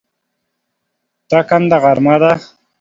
ټکنده غرمه ده